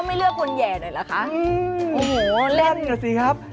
แบบเป็นไงครับ